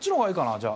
じゃあ。